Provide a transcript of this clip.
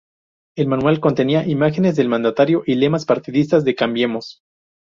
El manual contenía imágenes del mandatario y lemas partidistas de Cambiemos.